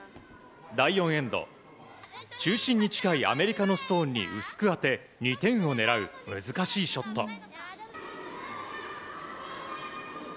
第４エンド中心に近いアメリカのストーンに薄く当て２点を狙う難しいショット。